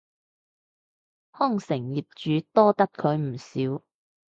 康城業主多得佢唔少